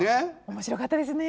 面白かったですね。